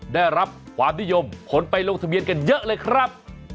ได้รับความนิยมคนไปลงทะเบียนกันเยอะเลยครับ